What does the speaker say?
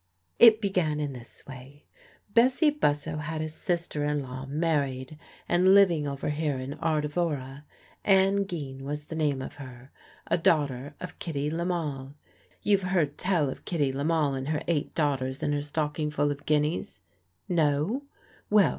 It began in this way. Bessie Bussow had a sister in law married and living over here in Ardevora Ann Geen was the name of her a daughter of Kitty Lemal. (You've heard tell of Kitty Lemal and her eight daughters, and her stocking full of guineas? No?